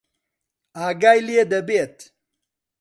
ئاگای لێ دەبێت.